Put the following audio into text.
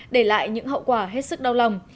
để lại những hậu quả hết sức đau lòng